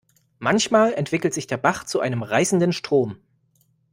Manchmal entwickelt sich der Bach zu einem reißenden Strom.